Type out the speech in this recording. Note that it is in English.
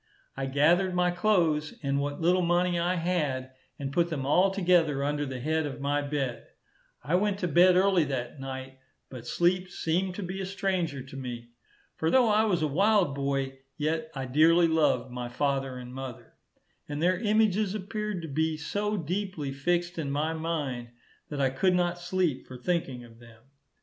I gathered my clothes, and what little money I had, and put them all together under the head of my bed. I went to bed early that night, but sleep seemed to be a stranger to me. For though I was a wild boy, yet I dearly loved my father and mother, and their images appeared to be so deeply fixed in my mind, that I could not sleep for thinking of them.